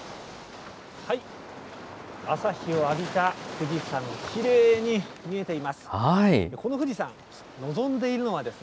朝日を浴びた富士山、きれいに見えています。